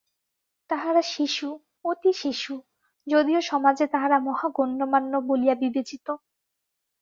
তাহারা শিশু, অতি শিশু, যদিও সমাজে তাহারা মহাগণ্যমান্য বলিয়া বিবেচিত।